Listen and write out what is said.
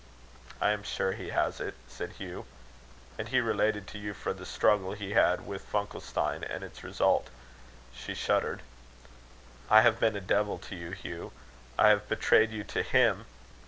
"I am sure be has it," said Hugh. And he related to Euphra the struggle he had had with Funkelstein and its result. She shuddered. "I have been a devil to you, Hugh; I have betrayed you to him.